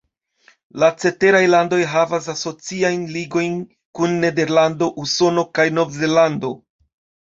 La ceteraj landoj havas asociajn ligojn kun Nederlando, Usono kaj Nov-Zelando.